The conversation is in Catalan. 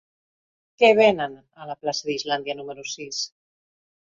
Què venen a la plaça d'Islàndia número sis?